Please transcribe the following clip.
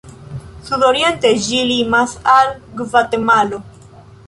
Sudoriente ĝi limas al Gvatemalo.